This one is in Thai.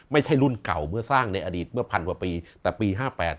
ไม่ใช่รุ่นเก่าเมื่อสร้างในอดีตเมื่อพันกว่าปีแต่ปี๕๘